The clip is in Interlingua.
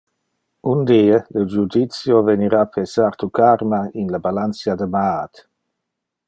Un die le judicio venira pesar tu karma in le balancia de maat.